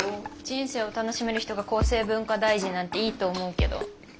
人生を楽しめる人が厚生文化大臣なんていいと思うけど。